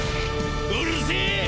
うるせえ！